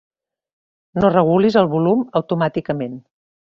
No regulis el volum automàticament.